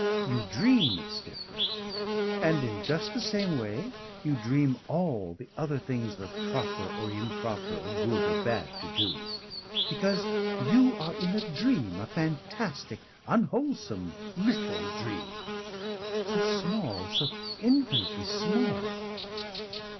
You dream it's different. And in just the same way you dream all the other things are proper or improper or good or bad to do. Because you are in a dream, a fantastic, unwholesome little dream. So small, so infinitely small!